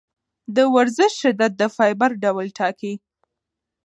د ورزش شدت د فایبر ډول ټاکي.